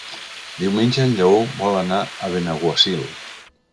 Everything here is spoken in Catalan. Diumenge en Lleó vol anar a Benaguasil.